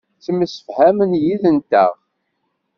Ttemsefhamen yid-nteɣ.